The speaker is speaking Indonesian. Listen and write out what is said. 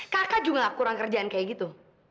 kakak juga kurang kerjaan kayak gitu